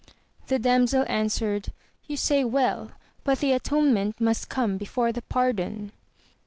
The damsel answered, you say well, but the atonement must come before the pardon.